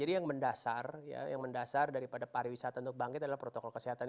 jadi yang mendasar daripada pariwisata untuk bangkit adalah protokol kesehatan